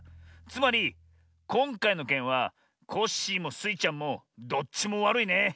つまりこんかいのけんはコッシーもスイちゃんもどっちもわるいね。